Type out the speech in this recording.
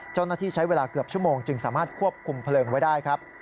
เจ้าหน้าที่ใช้เวลาเกือบชั่วโมงจึงสามารถควบคุมเพลิงไว้ได้ครับ